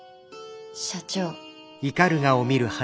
社長。